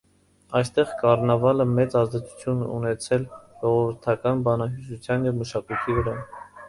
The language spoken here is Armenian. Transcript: Այստեղ կառնավալը մեծ ազդեցություն ունեցել ժողովրդական բանահյուսության և մշակույթի վրա։